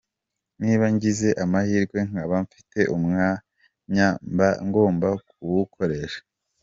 Niba ngize amahirwe nkaba mfite umwanya mba ngomba kuwukoresha.